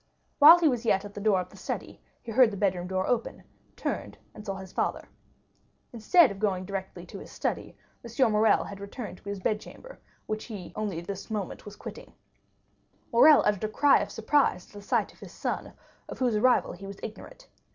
While he was yet at the door of the study he heard the bedroom door open, turned, and saw his father. Instead of going direct to his study, M. Morrel had returned to his bedchamber, which he was only this moment quitting. Morrel uttered a cry of surprise at the sight of his son, of whose arrival he was ignorant.